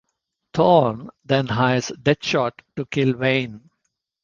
Thorne then hires Deadshot to kill Wayne.